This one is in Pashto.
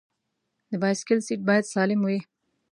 د بایسکل سیټ باید سالم وي.